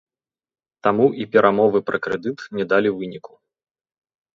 Таму і перамовы пра крэдыт не далі выніку.